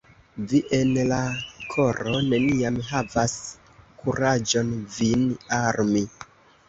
Vi en la koro neniam havas kuraĝon vin armi.